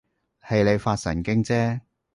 係你發神經啫